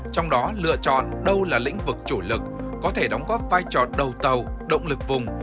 trong đó lựa chọn đâu là lĩnh vực chủ lực có thể đóng góp vai trò đầu tàu động lực vùng